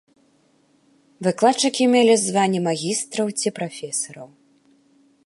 Выкладчыкі мелі званне магістраў ці прафесараў.